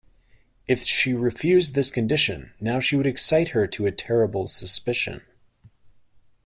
If she refused this condition now she would excite her to a terrible suspicion.